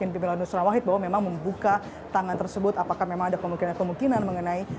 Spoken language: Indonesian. pimpinan nusra wahid bahwa memang membuka tangan tersebut apakah memang ada kemungkinan kemungkinan mengenai